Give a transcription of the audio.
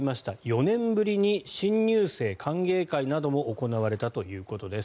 ４年ぶりに新入生歓迎会なども行われたということです。